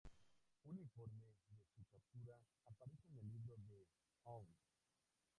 Un informe de su captura aparece en el libro de Howth.